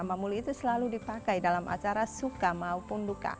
mamuli itu selalu dipakai dalam acara suka maupun duka